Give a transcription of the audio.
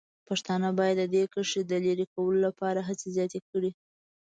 پښتانه باید د دې کرښې د لرې کولو لپاره هڅې زیاتې کړي.